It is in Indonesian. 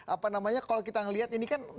apa namanya kalau kita melihat ini kan